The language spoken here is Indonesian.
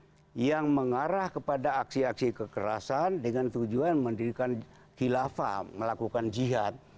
yang mengarah kepada aksi aksi kekerasan dengan tujuan mendirikan khilafah melakukan jihad